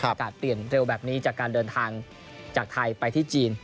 อากาศเปลี่ยนเร็วแบบนี้จากการเดินทางจากไทยไปที่จีน